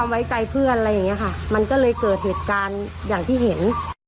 มันก็เลยเกิดเหตุการณ์อย่างที่เห็น